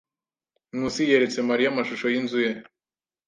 Nkusi yeretse Mariya amashusho yinzu ye.